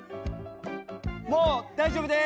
もう大丈夫です！